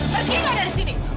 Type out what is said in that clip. pergi nggak dari sini